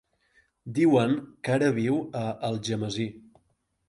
Diuen que ara viu a Algemesí.